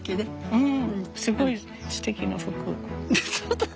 うん。